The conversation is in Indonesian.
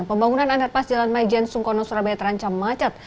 pembangunan underpass jalan majen sungkono surabaya terancam macet